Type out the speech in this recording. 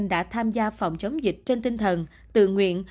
đã tham gia phòng chống dịch trên tinh thần tự nguyện